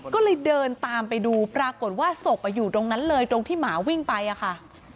ก็เลยเดินตามไปดูปรากฏว่าศพอยู่ตรงนั้นเลยตรงที่หมาวิ่งไปอะค่ะ